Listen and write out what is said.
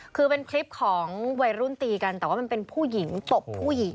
คือเป็นคลิปของวัยรุ่นตีกันแต่ว่ามันเป็นผู้หญิงตบผู้หญิง